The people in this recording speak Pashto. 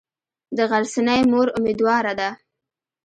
د غرڅنۍ مور امیدواره ده.